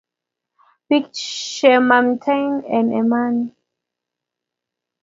Peek che mamtine en emani